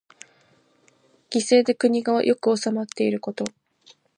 善政で国が良く治まっていること。